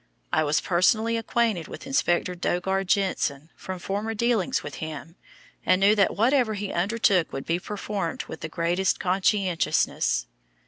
I was personally acquainted with Inspector Daugaard Jensen from former dealings with him, and knew that whatever he undertook would be performed with the greatest conscientiousness.